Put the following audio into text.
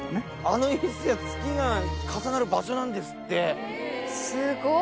あの石は月が重なる場所なんですって。